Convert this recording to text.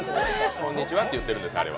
「こんにちは」って言ってるんです、あれは。